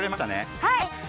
はい！